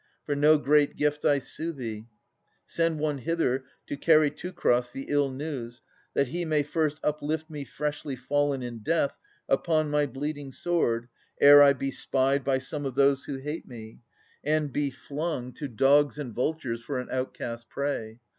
For no great gift I sue thee. Send one hither To carry Teucer the ill news, that he May first uplift me freshly fallen in death Upon my bleeding sword, ere I be spied By some of those who hate me, and be flung G 82 At'as [830 863 To dogs and vultures for an outcast prey.